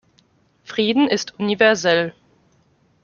Frieden ist universell.